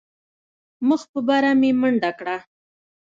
مخ په بره مې منډه کړه.